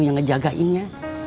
itu yang ngejagainya